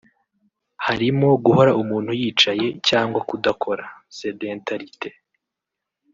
Harimo guhora umuntu yicaye cyangwa kudakora (Sédentarité)